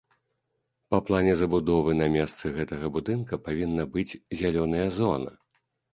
Па плане забудовы на месцы гэтага будынка павінна быць зялёная зона.